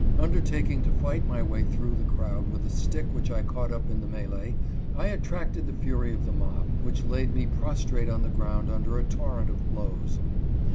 Undertaking to fight my way through 288 HIS MISSIONARY COMPANIONS. the crowd with a stick which I caught up in the mele'e, I attracted the fury of the mob, which laid me prostrate on the ground under a torrent of blows.